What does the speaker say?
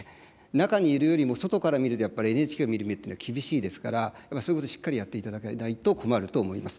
中にいるよりも、外から見ると、やっぱりＮＨＫを見る目っていうのは厳しいですから、そういうことをしっかりやっていただかないと困ると思います。